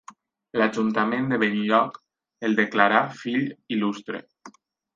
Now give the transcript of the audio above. L'ajuntament de Benlloc el declarà fill il·lustre.